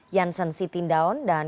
janssen sitindaun dan